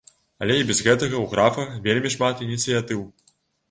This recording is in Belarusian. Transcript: Але і без гэтага у графа вельмі шмат ініцыятыў.